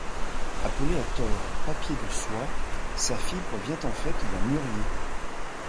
Appelé à tort papier de soie, sa fibre vient en fait d'un mûrier.